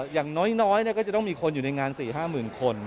อย่างน้อยก็จะต้องมีคนอยู่ในงาน๔๕๐๐๐คน